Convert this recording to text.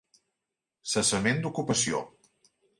Cessament d'ocupació.